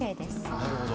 あなるほど。